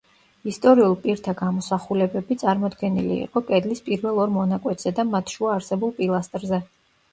ისტორიულ პირთა გამოსახულებები, წარმოდგენილი იყო კედლის პირველ ორ მონაკვეთზე და მათ შუა არსებულ პილასტრზე.